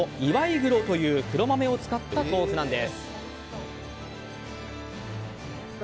黒という黒豆を使った豆腐なんです。